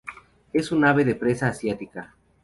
Es un ave de presa asiática.